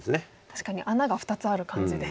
確かに穴が２つある感じで。